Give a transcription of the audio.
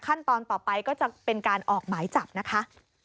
ขั้นตอนต่อไปก็จะเป็นการออกหมายจับนะคะ